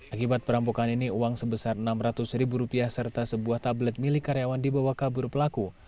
akibat perampokan ini uang sebesar rp enam ratus serta sebuah tablet milik karyawan dibawah kabur pelaku